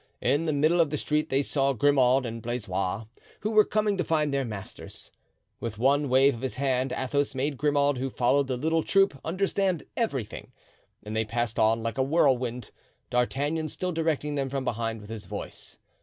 In the middle of the street they saw Grimaud and Blaisois, who were coming to find their masters. With one wave of his hand Athos made Grimaud, who followed the little troop, understand everything, and they passed on like a whirlwind, D'Artagnan still directing them from behind with his voice.